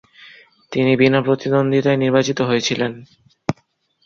তিনি বিনা প্রতিদ্বন্দ্বিতায় নির্বাচিত হয়েছিলেন।